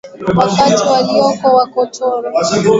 watu waliyokuwa wakatoriki walianza kuasi utawala wa uingereza